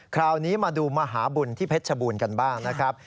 คราวนี้มาดูมหาบุญที่เพชรชบูรณ์กันบ้างนะครับ